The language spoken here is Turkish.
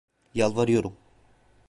Yalvarıyorum.